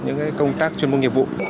những công tác chuyên môn nghiệp vụ